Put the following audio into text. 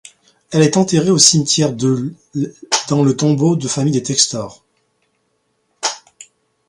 Elle est enterrée au cimetière de l' dans le tombeau de famille des Textor.